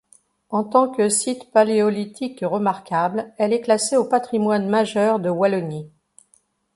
En tant que site paléolithique remarquable, elle est classée au Patrimoine majeur de Wallonie.